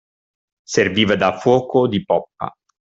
Serviva da fuoco di poppa.